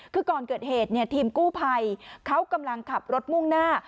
คือก่อนเกิดเหตุทีมกู้ภัยเขากำลังขับรถมุ่งหน้า